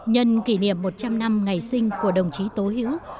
nhân kỷ niệm một trăm linh năm ngày sinh của đồng chí tố hữu